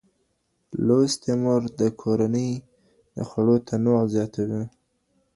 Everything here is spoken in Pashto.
لوستې مور د کورنۍ د ؛خوړو تنوع زياتوي.